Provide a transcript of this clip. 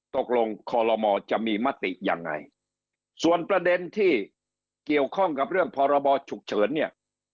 ตกลงคอลโลมอจะมีมติยังไงส่วนประเด็นที่เกี่ยวข้องกับเรื่องพรบฉุกเฉินเนี่ย